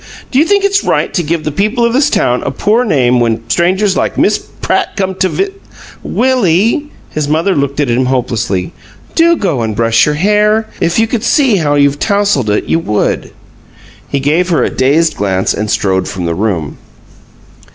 Do you think it's right to give the people of this town a poor name when strangers like Miss PRATT come to vis " "Willie!" His mother looked at him hopelessly. "Do go and brush your hair. If you could see how you've tousled it you would." He gave her a dazed glance and strode from the room.